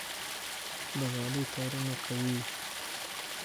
د غالۍ تارونه قوي وي.